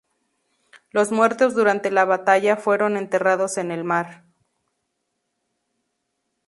Los muertos durante la batalla fueron enterrados en el mar.